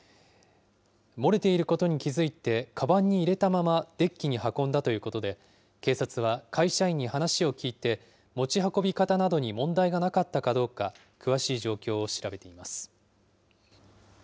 漏れていることに気付いて、かばんに入れたままデッキに運んだということで、警察は会社員に話を聞いて、持ち運び方などに問題がなかったかどうか、詳しい状況を調べています。